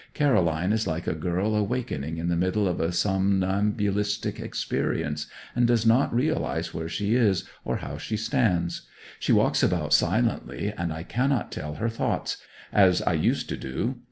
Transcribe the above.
Caroline is like a girl awakening in the middle of a somnambulistic experience, and does not realize where she is, or how she stands. She walks about silently, and I cannot tell her thoughts, as I used to do.